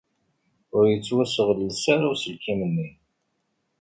Ur yettwasɣelles ara uselkim-nni.